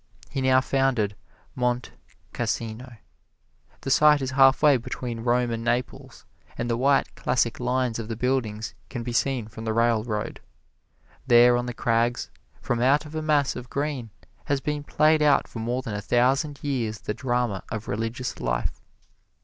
He now founded Monte Cassino. The site is halfway between Rome and Naples, and the white, classic lines of the buildings can be seen from the railroad. There on the crags, from out of a mass of green, has been played out for more than a thousand years the drama of religious life.